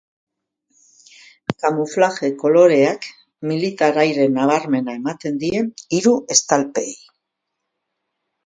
Kamuflaje koloreak militar aire nabarmena ematen die hiru estalpeei.